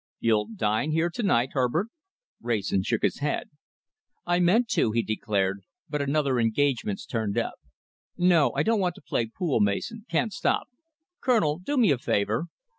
"You'll dine here to night, Herbert?" Wrayson shook his head. "I meant to," he declared, "but another engagement's turned up. No! I don't want to play pool, Mason. Can't stop. Colonel, do me a favour."